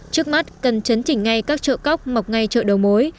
trước mắt cần chấn chỉnh ngay các chợ cóc mọc ngay chợ đầu mối